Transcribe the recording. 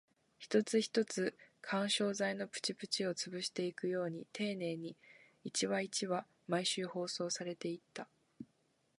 一つ一つ、緩衝材のプチプチを潰していくように丁寧に、一話一話、毎週放送されていった